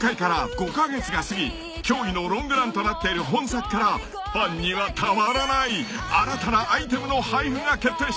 ［となっている本作からファンにはたまらない新たなアイテムの配布が決定した］